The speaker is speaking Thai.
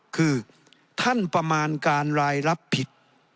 คือท่านประมาณการรายรับผิด